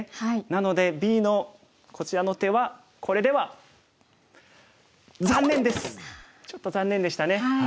なのでＢのこちらの手はこれではちょっと残念でしたね。